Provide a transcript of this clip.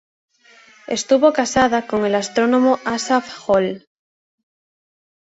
Estuvo casada con el astrónomo Asaph Hall.